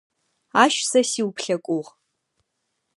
Ащ сэ сиуплъэкӏугъ.